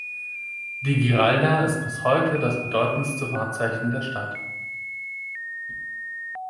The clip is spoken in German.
Die Giralda ist bis heute das bedeutendste Wahrzeichen der Stadt.